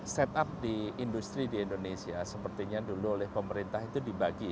set up di industri di indonesia sepertinya dulu oleh pemerintah itu dibagi